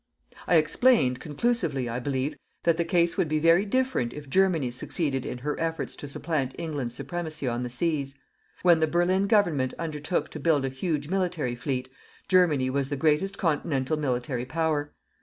I explained, conclusively, I believe, that the case would be very different if Germany succeeded in her efforts to supplant England's supremacy on the seas. When the Berlin Government undertook to build a huge military fleet, Germany was the greatest continental military Power.